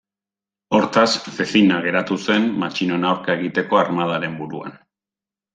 Hortaz, Zezina geratu zen matxinoen aurka egiteko armadaren buruan.